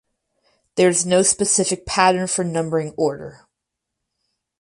There is no specific pattern for numbering order.